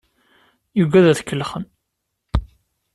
Yugad ad t-kellxen.